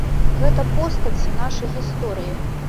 Гэта постаці нашай гісторыі.